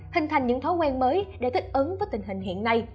hình thành những thói quen mới để thích ứng với tình hình hiện nay